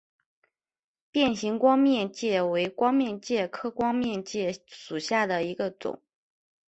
变形光面介为光面介科光面介属下的一个种。